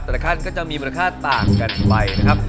แต่ละขั้นก็จะมีมูลค่าต่างกันไปนะครับ